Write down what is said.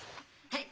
はい。